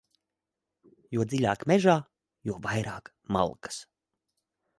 Jo dziļāk mežā, jo vairāk malkas.